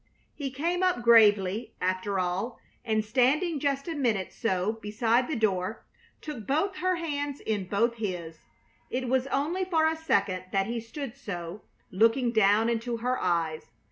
He came up gravely, after all, and, standing just a minute so beside the door, took both her hands in both his. It was only for a second that he stood so, looking down into her eyes.